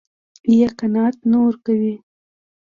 يا قناعت نه ورکوي.